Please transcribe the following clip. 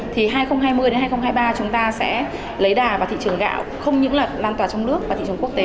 thì hai nghìn hai mươi hai nghìn hai mươi ba chúng ta sẽ lấy đà vào thị trường gạo không những là lan tòa trong nước và thị trường quốc tế